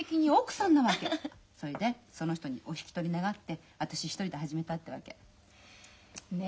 そいでその人にお引き取り願って私一人で始めたってわけ。ね！